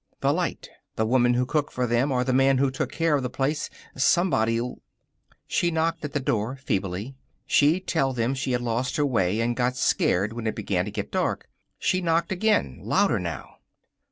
The light. The woman who cooked for them or the man who took care of the place. Somebody'd She knocked at the door feebly. She'd tell 'em she had lost her way and got scared when it began to get dark. She knocked again, louder now.